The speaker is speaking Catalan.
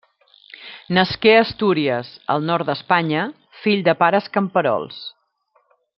Nasqué a Astúries, al nord d'Espanya, fill de pares camperols.